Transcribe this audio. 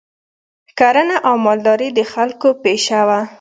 کرنه او مالداري د خلکو پیشه وه